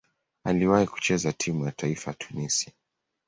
Aliwahi kucheza timu ya taifa ya Tunisia.